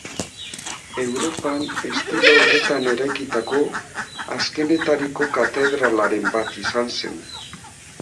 Europan estilo horretan eraikitako azkenetariko katedralaren bat izan zen.